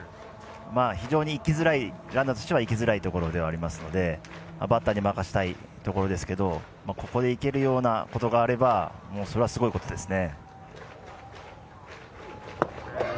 非常にランナーとしてはいきづらいところではありますので、バッターに任せたいところですけどここでいけるようなことがあればそれはすごいことですね。